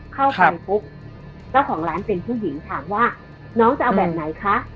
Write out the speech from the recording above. เข้าไปปุ๊บเจ้าของร้านเป็นผู้หญิงถามว่าน้องจะเอาแบบไหนคะ